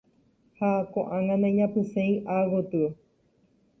ha ko'ág̃a naiñapysẽi ágotyo.